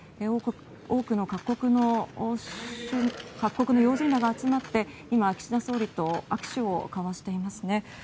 多くの各国の要人らが集まって今岸田総理と握手を交わしていますね。